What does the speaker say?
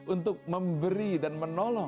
untuk memberi dan menolong